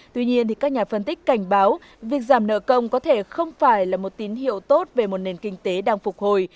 tuy nhiên các nhà phân tích cảnh báo việc giảm nợ công có thể không phải là một tín hiệu tốt về một nền kinh tế đang phục hồi